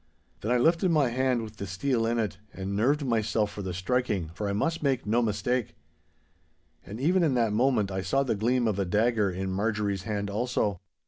Then I lifted my hand with the steel in it, and nerved myself for the striking, for I must make no mistake. And even in that moment I saw the gleam of a dagger in Marjorie's hand also.